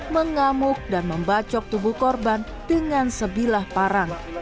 mengamuk dan membacok tubuh korban dengan sebilah parang